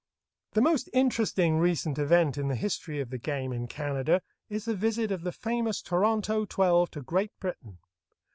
The most interesting recent event in the history of the game in Canada is the visit of the famous Toronto twelve to Great Britain.